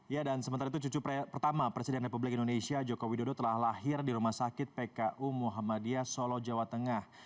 ya dan sementara itu cucu pertama presiden republik indonesia joko widodo telah lahir di rumah sakit pku muhammadiyah solo jawa tengah